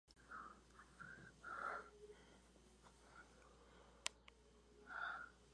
De padre estadounidense y madre española, estudia actualmente en la Universidad de Arizona.